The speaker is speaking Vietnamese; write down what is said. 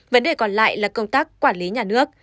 vấn đề còn lại là công tác quản lý nhà nước